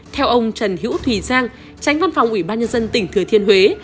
theo ông trần hữu thùy giang tránh văn phòng ủy ban nhân dân tỉnh thừa thiên huế